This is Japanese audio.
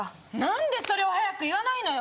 んでそれを早く言わないのよ